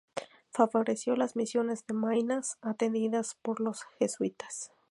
Favoreció las misiones de Maynas, atendidas por los jesuitas.